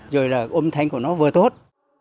rồi là âm thanh của nó vừa tốt